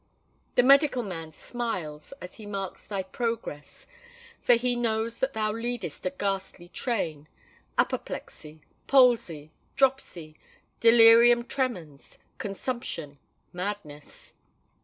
The medical man smiles as he marks thy progress, for he knows that thou leadest a ghastly train,—apoplexy, palsy, dropsy, delirium tremens, consumption, madness.